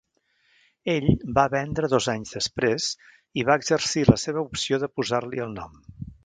Ell va vendre dos anys després i va exercir la seva opció de posar-li el nom.